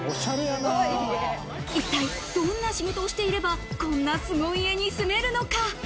一体どんな仕事をしていれば、こんな凄家に住めるのか。